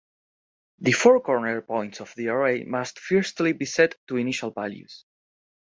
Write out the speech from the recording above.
The four corner points of the array must firstly be set to initial values.